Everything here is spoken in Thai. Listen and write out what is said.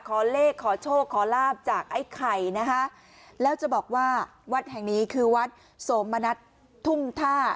ขอเลขขอโชคขอลาบจากไอ้ไข่นะคะแล้วจะบอกว่าวัดแห่งนี้คือวัดโสมณัฐทุ่มท่า